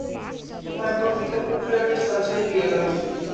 ইহার পর পিতাপুত্রে ছাড়াছাড়ি হইয়া গেল।